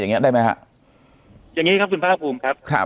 อย่างนี้ได้ไหมครับอย่างนี้ครับคุณพรครับ